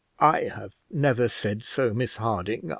"I have never said so, Miss Harding.